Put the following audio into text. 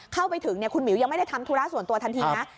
เข้าไปถึงคุณหมิวยังไม่ได้ทำธุระส่วนตัวทันทีนะ